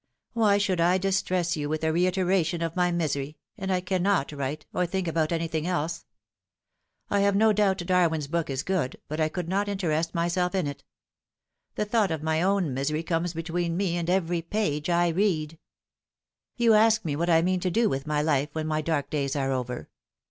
Why should I distress you with a reiteration of my misery and I cannot write, or think about anything else ? I have no doubt Darwin's book is good, but I could not interest myself in it. The thought of my own misery comes between me and every page I read. " You ask me what I mean to do with my life when my dark days are over.